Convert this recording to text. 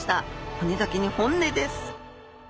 骨だけに本音です。